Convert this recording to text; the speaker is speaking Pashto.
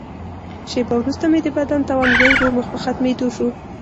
شیبه وروسته مې د بدن توان ورو ورو مخ په ختمېدو شو.